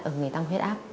ở người tăng huyết áp